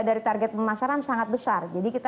dari target pemasaran sangat besar jadi kita